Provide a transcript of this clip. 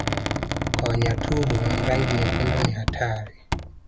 Kwa Wanyaturu rangi nyekundu ni hatari